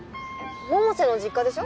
・百瀬の実家でしょ？